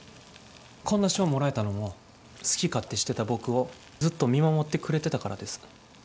こんな賞もらえたのも好き勝手してた僕をずっと見守ってくれてたからです。